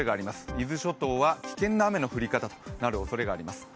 伊豆諸島は危険な雨の降り方となるおそれがあります。